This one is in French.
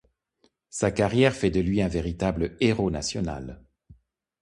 Sa carrière fait de lui un véritable héros national.